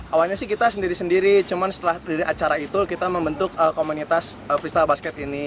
awalnya kita sendiri sendiri tapi setelah acara itu kita membentuk komunitas freestyle basket ini